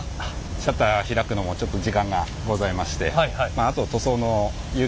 シャッター開くのもちょっと時間がございまして。